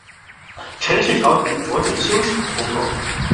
陈氏朝廷着重修史的工作。